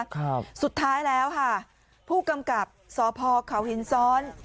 ครับสุดท้ายแล้วค่ะผู้กำกับสพเขาหินซ้อน